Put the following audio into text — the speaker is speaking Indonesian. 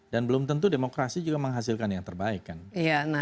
dan belum tentu demokrasi juga menghasilkan yang terbaik kan